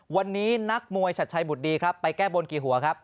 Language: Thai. วันนี้นักมวยชัดชัยบุตรดีครับไปแก้บนกี่หัวครับ